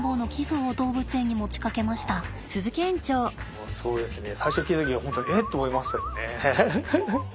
もうそうですね。